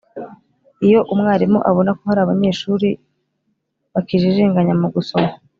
Iyo umwarimu abona ko hari abanyeshuri bakijijinganya mu gusoma